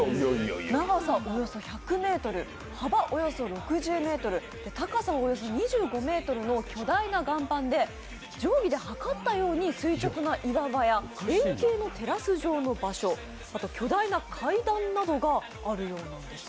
長さおよそ１００ｍ、幅およそ６０ｍ高さおよそ２５ｍの巨大な岩盤で定規ではかったように垂直な岩場や円形のテラス状の場所、あと巨大な階段などがあるようなんです。